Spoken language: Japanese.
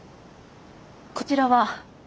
こちらは？